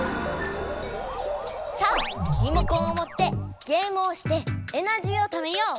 さあリモコンをもってゲームをしてエナジーをためよう！